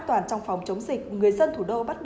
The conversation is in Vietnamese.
không phát hiện f mới